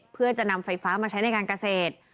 เพื่อจะนำไฟฟ้ามาใช้ในการเกษตร